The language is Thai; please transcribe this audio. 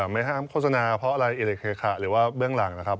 ไม่ห้ามโฆษณาเพราะอะไรอิเล็กเคขะหรือว่าเบื้องหลังนะครับ